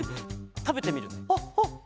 たべてみるね。